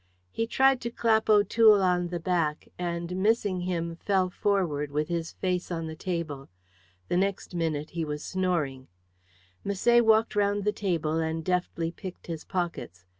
He tried to clap O'Toole on the back, and missing him fell forward with his face on the table. The next minute he was snoring. Misset walked round the table and deftly picked his pockets.